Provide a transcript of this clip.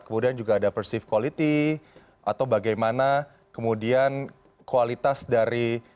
kemudian juga ada persive quality atau bagaimana kemudian kualitas dari